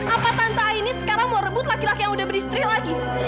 apa tante a ini sekarang mau rebut laki laki yang udah beristri lagi